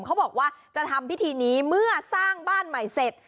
เขาบอกว่าจะทำพิธีนี้เมื่อสร้างบ้านใหม่เสร็จ